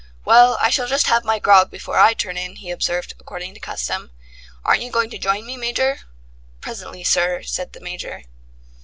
"Well, I shall just have my grog before I turn in," he observed, according to custom. "Aren't you going to join me, Major?" "Presently, sir," said the Major.